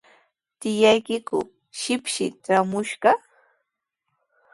¿Tiyaykiku shipshi traamushqa?